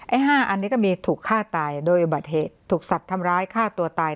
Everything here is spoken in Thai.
๕อันนี้ก็มีถูกฆ่าตายโดยอุบัติเหตุถูกสัตว์ทำร้ายฆ่าตัวตาย